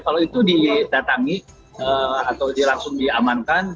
kalau itu didatangi atau langsung diamankan